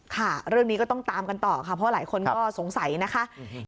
ค่ะเรื่องนี้ก็ต้องตามกันต่อค่ะเพราะหลายคนก็สงสัยนะคะ